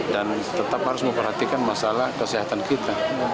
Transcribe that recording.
dan tetap harus memperhatikan masalah kesehatan kita